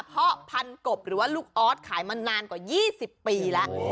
เพราะพันกบหรือว่าลูกออสขายมานานกว่า๒๐ปีแล้ว